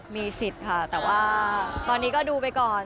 มีสิทธิ์ค่ะแต่ว่าตอนนี้ก็ดูไปก่อน